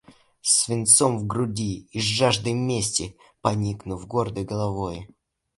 С свинцом в груди и жаждой мести, поникнув гордой головой!..